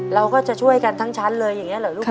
เราก็จะช่วยกันทั้งชั้นเลยอย่างนี้เหรอลูก